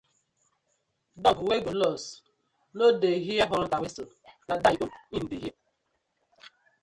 Dog wey go lost no dey hear hunter whistle na die own im dey hear.